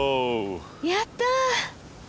やった！